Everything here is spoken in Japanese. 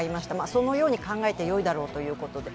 そのように考えてよいだろうということで。